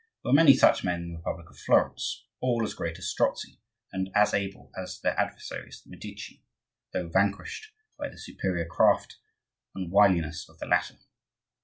There were many such men in the republic of Florence, all as great as Strozzi, and as able as their adversaries the Medici, though vanquished by the superior craft and wiliness of the latter.